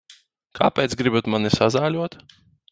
Kāpēc gribat mani sazāļot?